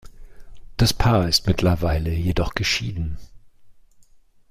Das Paar ist mittlerweile jedoch geschieden.